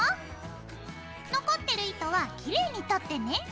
残ってる糸はきれいに取ってね。